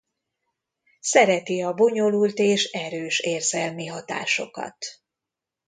Szereti a bonyolult és erős érzelmi hatásokat.